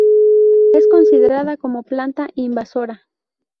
Es considerada como planta invasora.